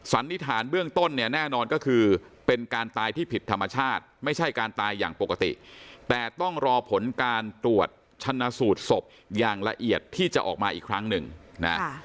สันนิษฐานเบื้องต้นเนี่ยแน่นอนก็คือเป็นการตายที่ผิดธรรมชาติไม่ใช่การตายอย่างปกติแต่ต้องรอผลการตรวจชนะสูตรศพอย่างละเอียดที่จะออกมาอีกครั้งหนึ่งนะ